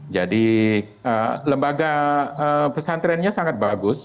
jadi lembaga pesantrennya sangat bagus